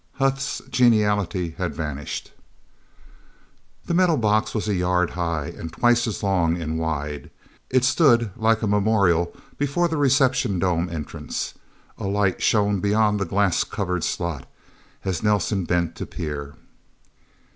Huth's geniality had vanished. The metal box was a yard high, and twice as long and wide. It stood, like a memorial, before the reception dome entrance. A light shone beyond the glass covered slot, as Nelsen bent to peer.